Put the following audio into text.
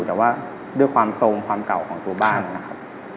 แต่ว่าด้วยความทรงความเก่าของตัวบ้านนะครับ